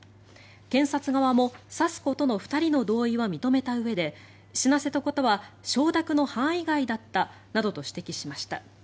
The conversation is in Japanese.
検察側も、刺すことの２人の同意は認めたうえで死なせたことは承諾の範囲外だったなどと指摘しました。